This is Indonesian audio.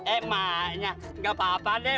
eh emaknya enggak apa apa deh